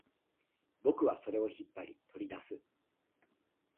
僕はそれを引っ張り、取り出す